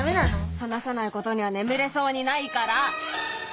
話さないことには眠れそうにないから！